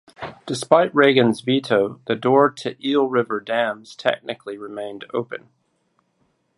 Despite Reagan's veto, the door to Eel River dams technically remained open.